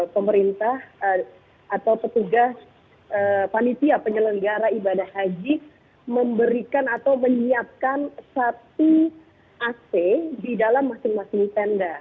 pemerintah atau petugas panitia penyelenggara ibadah haji memberikan atau menyiapkan satu ac di dalam masing masing tenda